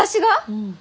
うん。